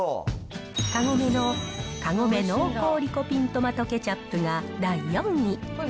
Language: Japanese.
カゴメのカゴメ濃厚リコピントマトケチャップが第４位。